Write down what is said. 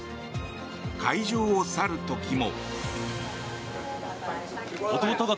会場を去る時も。